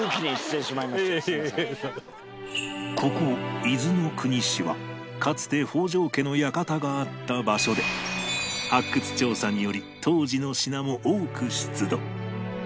ここ伊豆の国市はかつて北条家の館があった場所で発掘調査により当時の品も多く出土